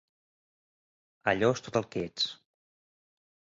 Allò és tot el que ets.